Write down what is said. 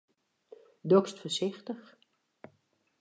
Dochst foarsichtich?